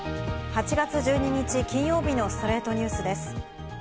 ８月１２日、金曜日の『ストレイトニュース』です。